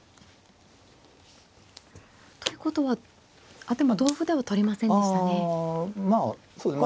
ということはあっでも同歩では取りませんでしたね。